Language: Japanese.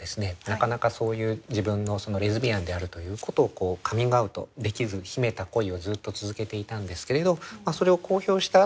なかなかそういう自分のレズビアンであるということをカミングアウトできず秘めた恋をずっと続けていたんですけれどそれを公表したあとはですね